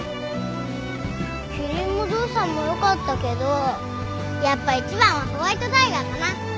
んーキリンもゾウさんもよかったけどやっぱ一番はホワイトタイガーかな。